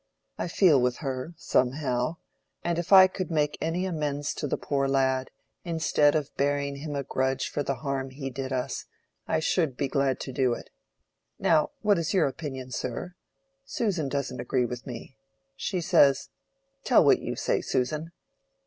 I feel with her, somehow, and if I could make any amends to the poor lad, instead of bearing him a grudge for the harm he did us, I should be glad to do it. Now, what is your opinion, sir? Susan doesn't agree with me; she says—tell what you say, Susan."